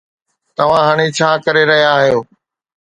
توهان هاڻي ڇا ڪري رهيا آهيو؟